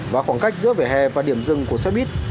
và khoảng cách giữa vỉa hè và điểm dừng của xe buýt